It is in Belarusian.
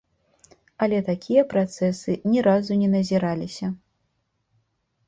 Але такія працэсы ні разу не назіраліся.